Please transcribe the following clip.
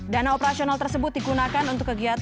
dana operasional tersebut digunakan untuk kegiatan